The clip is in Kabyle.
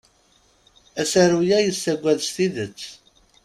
Asaru-a yessagad s tidet.